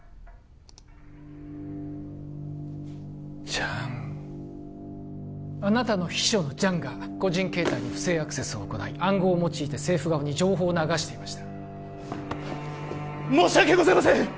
ジャンあなたの秘書のジャンが個人携帯に不正アクセスを行い暗号を用いて政府側に情報を流していました申し訳ございません！